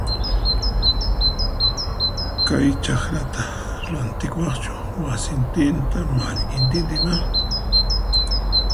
Kay chakrata rantikuwaqchu wasintinta mallkintinta ima?